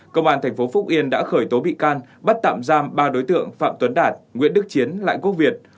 công an tp phúc yên đã khởi tố bị can bắt tạm giam ba đối tượng phạm tuấn đạt nguyễn đức chiến lại quốc việt